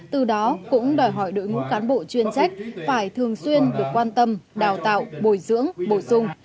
từ đó cũng đòi hỏi đội ngũ cán bộ chuyên trách phải thường xuyên được quan tâm đào tạo bồi dưỡng bổ sung